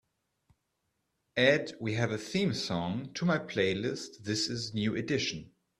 Add we have a theme song to my playlist This Is New Edition